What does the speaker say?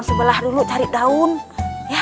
aduh aduh aduh aduh aduh aduh